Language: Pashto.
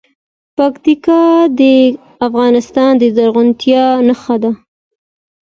پکتیکا د افغانستان د زرغونتیا نښه ده.